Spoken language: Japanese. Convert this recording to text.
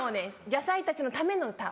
野菜たちのための歌。